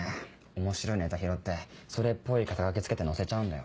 面白いネタ拾ってそれっぽい肩書付けて載せちゃうんだよ。